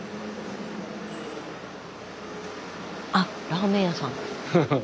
ラーメン屋さん。